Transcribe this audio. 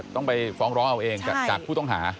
ต้องไปฟ้องร้องเอาเองจากผู้ต้องหา